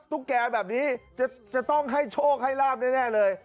ตุ๊กแกแบบนี้จะต้องให้โชคให้ลาบแน่เลย